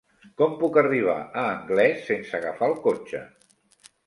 Com puc arribar a Anglès sense agafar el cotxe?